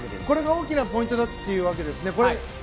これが大きなポイントだというわけですね。